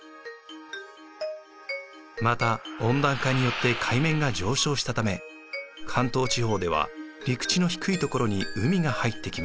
また温暖化によって海面が上昇したため関東地方では陸地の低い所に海が入ってきました。